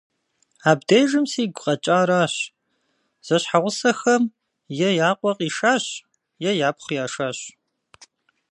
Абдежым сигу къэкӀаращ: зэщхьэгъусэхэм е я къуэ къишащ, е япхъу яшащ.